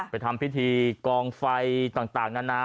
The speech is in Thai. ไปทำพิธีกองไฟต่างต่างนานา